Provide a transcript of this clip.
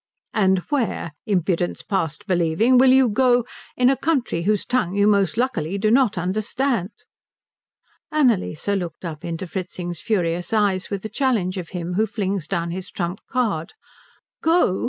"And where, Impudence past believing, will you go, in a country whose tongue you most luckily do not understand?" Annalise looked up into Fritzing's furious eyes with the challenge of him who flings down his trump card. "Go?"